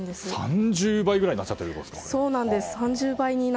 ３０倍くらいになっているということですか。